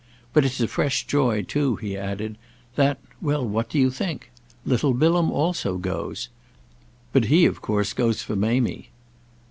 But it's a fresh joy too," he added, "that—well, what do you think? Little Bilham also goes. But he of course goes for Mamie."